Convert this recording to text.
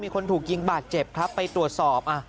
คนถูกยิงบาดเจ็บครับไปตรวจสอบ